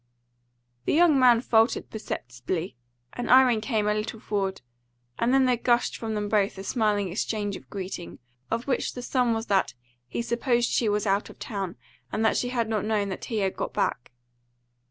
The young man faltered perceptibly, and Irene came a little forward, and then there gushed from them both a smiling exchange of greeting, of which the sum was that he supposed she was out of town, and that she had not known that he had got back.